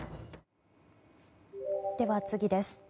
では、次です。